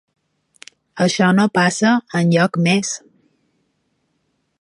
Això no passa enlloc més.